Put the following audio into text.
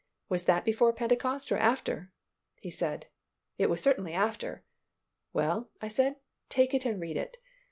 was that before Pentecost or after?" He said, "It was certainly after." "Well," I said, "take it and read it."